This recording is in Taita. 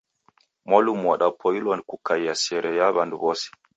Mwalumu wadapoilwa kukaia sere na wandu wose